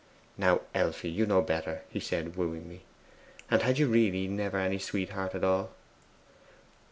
'Now, Elfride, you know better,' he said wooingly. 'And had you really never any sweetheart at all?